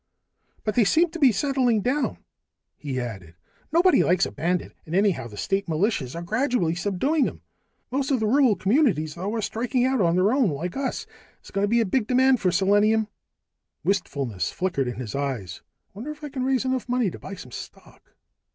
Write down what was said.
"But they seem to be settling down," he added. "Nobody likes to be a bandit, and anyhow the state militias are gradually subduing 'em. Most of the rural communities, though, are striking out on their own like us. There's going to be a big demand for selenium." Wistfulness flickered in his eyes. "Wonder if I can raise enough money to buy some stock?"